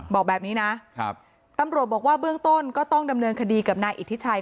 บอกแบบนี้นะตำรวจบอกว่าเบื้องต้นก็ต้องดำเนินคดีกับนายอิทธิชัย